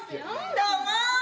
どうも！